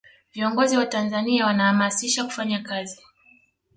viongozi wa tanzania wanahamasisha kufanya kazi